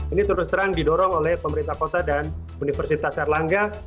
ini terus terang didorong oleh pemerintah kota dan universitas erlangga